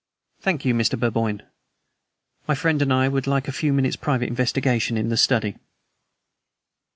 "Thank you, Mr. Burboyne. My friend and I would like a few minutes' private investigation in the study."